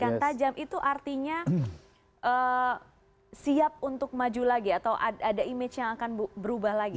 dan dengan kritikan tajam itu artinya siap untuk maju lagi atau ada image yang akan berubah lagi